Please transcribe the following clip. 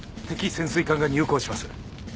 敵潜水艦が入港します。